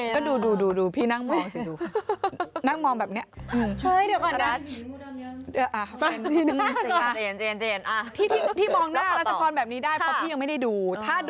ก็ดูพี่นั่งมองสิดู